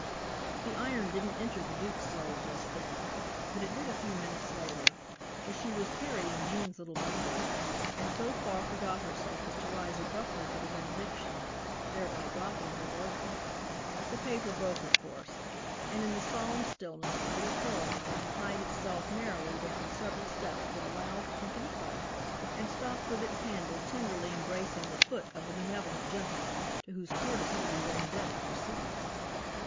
The iron didn't enter the Duke's soul just then, but it did a few minutes later; for she was carrying Gene's little bundle, and so far forgot herself as to rise abruptly for the benediction, thereby dropping her burden. The paper broke, of course, and in the solemn stillness the little curling iron hied itself merrily down several steps with a loud clinkety clank, and stopped with its handle tenderly embracing the foot of the benevolent gentleman to whose courtesy we were indebted for seats.